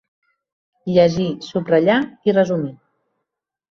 Llegir, subratllar i resumir.